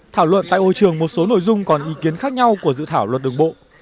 thảo luận tại hội trường một số nội dung còn ý kiến khác nhau của dự thảo luật đường bộ